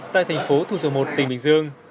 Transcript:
tại thành phố thu dầu một tỉnh bình dương